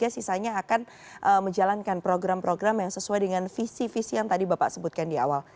sisanya akan menjalankan program program yang sesuai dengan visi visi yang tadi bapak sebutkan di awal